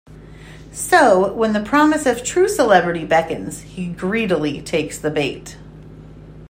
So when the promise of true celebrity beckons, he greedily takes the bait.